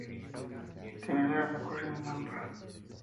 Similar a lo ocurrido en Lampa.